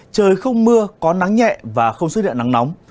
trời không mưa có nắng nhẹ và không xuất hiện nắng nóng